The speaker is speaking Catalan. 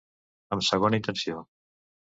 Amb segona intenció.